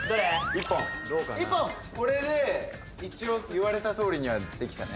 一本一本これで一応言われたとおりにはできたね